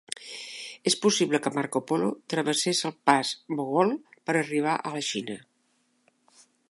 És possible que Marco Polo travessés el pas Broghol per arribar a la Xina.